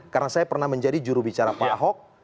karena saya pernah menjadi jurubicara pak ahok